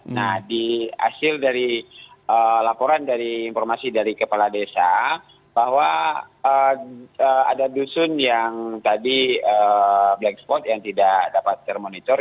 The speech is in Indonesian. nah di hasil dari laporan dari informasi dari kepala desa bahwa ada dusun yang tadi black spot yang tidak dapat termonitor